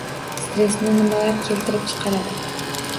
Stressni nimalar keltirib chiqaradi?